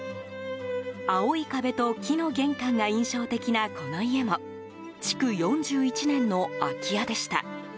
青い壁と木の玄関が印象的なこの家も築４１年の空き家でした。